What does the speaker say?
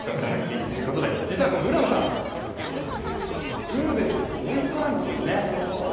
実はこの浦野さん、ウルヴェさんのおいっ子なんだそうですね。